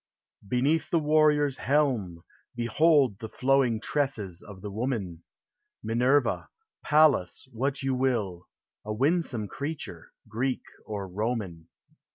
Beneath the warrior's helm, behold The flowing tresses of the woman ! Minerva, Pallas, what you will — A winsome creature, Greek or Roman.